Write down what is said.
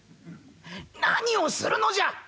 何をするのじゃ！」。